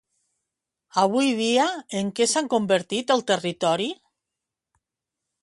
Avui dia, en què s'ha convertit el territori?